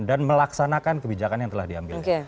dan melaksanakan kebijakan yang telah diambil